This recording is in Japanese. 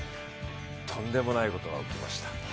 とんでもないことが起きました。